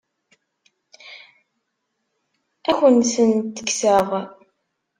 Ad akent-tent-kkseɣ?